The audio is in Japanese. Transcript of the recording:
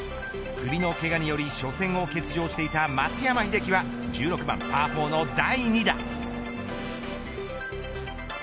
首のけがにより初戦を欠場していた松山英樹は１６番パー４の第２打。